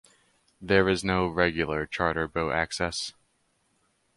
There is no regular charter boat access.